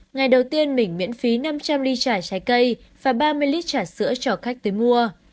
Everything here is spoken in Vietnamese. ngày đầu tiên mình miễn phí năm trăm linh ly trả trái cây và ba mươi lit trả sữa cho khách tới mua